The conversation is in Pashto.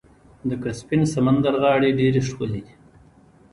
د کسپین سمندر غاړې ډیرې ښکلې دي.